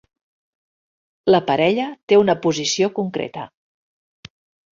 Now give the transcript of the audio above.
La parella té una posició concreta.